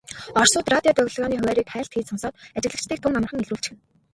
Оросууд радио долгионы хуваарийг хайлт хийж сонсоод ажиглагчдыг тун амархан илрүүлчихнэ.